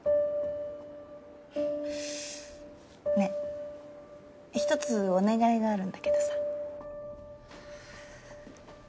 ねぇ１つお願いがあるんだけどさ。